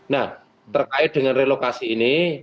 nah terkait dengan relokasi ini